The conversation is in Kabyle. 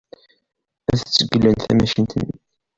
Ad zeglen tamacint-nni.